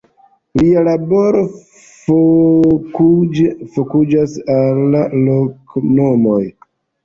Lia laboro fokusiĝas al la loknomoj.